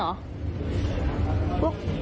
เด็กพวกนั้นเหรอ